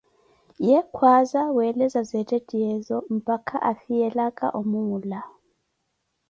Ye kwaaza weeleza zeettehyeezo mpakha afiyelelaka omuula.